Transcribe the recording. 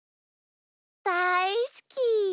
だいすき。